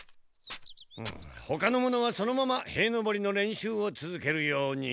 ほかの者はそのまま塀のぼりの練習をつづけるように。